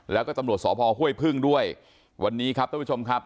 แล้วก็ตำรวจสพห้วยพึ่งด้วยวันนี้ครับท่านผู้ชมครับ